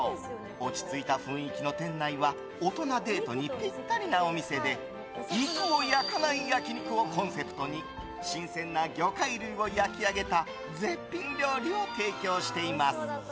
落ち着いた雰囲気の店内は大人デートにぴったりなお店で肉を焼かない焼き肉をコンセプトに新鮮な魚介類を焼き上げた絶品料理を提供しています。